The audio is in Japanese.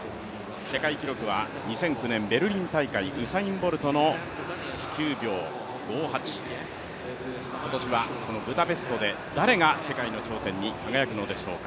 世界記録は２００９年、ベルリン大会ウサイン・ボルトの９秒５８今年はこのブダペストで誰が世界の頂点に輝くのでしょうか。